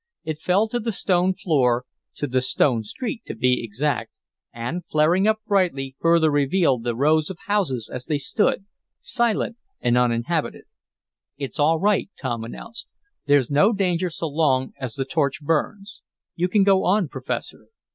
It fell to the stone floor to the stone street to be more exact and, flaring up brightly, further revealed the rows of houses as they stood, silent and uninhabited. "It's all right," Tom announced. "There's no danger so long as the torch burns. You can go on, Professor."